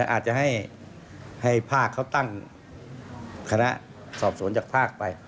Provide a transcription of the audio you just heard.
อาจจะให้ภาคเขาตั้งคณะสอบสวนจากภาคไป